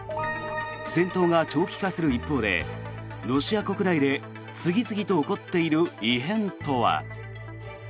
戦闘が長期化する一方でロシア国内で次々と起こっている異変とは。